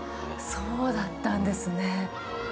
そうだったんですね。